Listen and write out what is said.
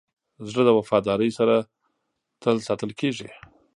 زړه د وفادارۍ سره تل ساتل کېږي.